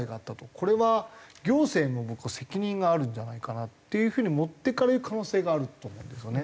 これは行政も責任があるんじゃないかなっていう風に持っていかれる可能性があると思うんですよね。